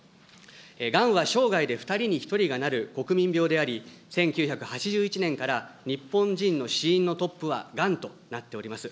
がんは生涯で２人に１人がなる国民病であり、１９８１年から日本人の死因のトップはがんとなっております。